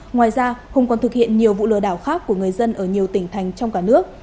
ngoài ra hùng còn thực hiện nhiều vụ lừa đảo khác của người dân ở nhiều tỉnh thành trong cả nước